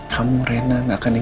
kamu reina nggak akan jomelyn